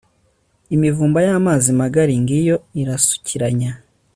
imivumba y'amazi magari, ngiyo irasukiranya